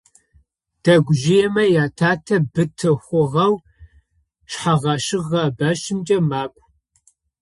Дэгужъыемэ ятатэ быты хъугъэу шъхьэгъэщыгъэ бэщымкӏэ макӏо.